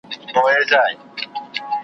تر څو به وینو وراني ویجاړي .